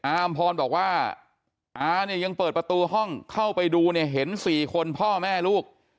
อำพรบอกว่าอาเนี่ยยังเปิดประตูห้องเข้าไปดูเนี่ยเห็น๔คนพ่อแม่ลูก